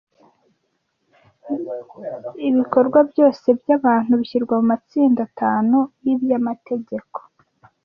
Ibikorwa byose by’abantu bishyirwa mu matsinda atanu y’iby’amategeko